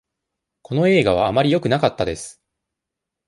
この映画はあまりよくなかったです。